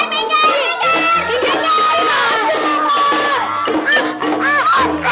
minggir minggir minggir